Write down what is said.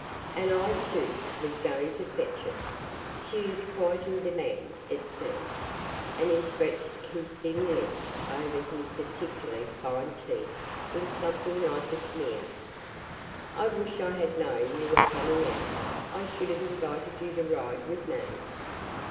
"And I, too, was going to fetch her. She is quite in demand, it seems," and he stretched his thin lips over his particularly fine teeth in something like a sneer. "I wish I had known you were coming out; I should have invited you to ride with me."